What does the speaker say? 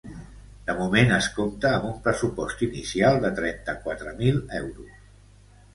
De moment es compta amb un pressupost inicial de trenta-quatre mil euros.